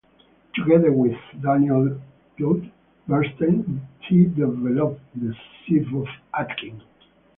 Together with Daniel J. Bernstein, he developed the sieve of Atkin.